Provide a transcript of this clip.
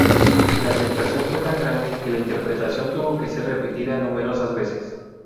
La aceptación fue tan grande que la interpretación tuvo que ser repetida numerosas veces.